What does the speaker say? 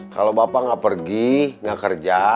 kalau bapak gak pergi gak kerja